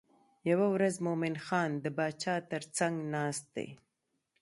یوه ورځ مومن خان د باچا تر څنګ ناست دی.